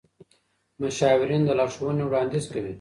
مشاورین د لارښوونې وړاندیز کوي.